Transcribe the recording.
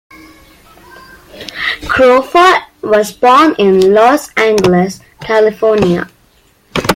Crawford was born in Los Angeles, California.